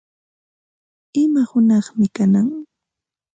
¿Ima hunaqmi kanan?